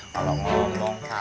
kalau ngomong tak ada